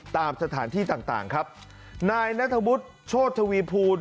ตามสถานที่ต่างครับนายนัทบุษย์โชทวีพูล